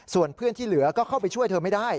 ส่วนเพื่อนที่เหลือก็เข้าไปช่วยเธอไม่ได้